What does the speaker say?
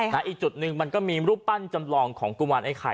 อีกจุดหนึ่งมันก็มีรูปปั้นจำลองของกุมารไอไข่